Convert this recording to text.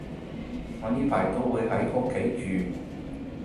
我呢排都會喺屋企住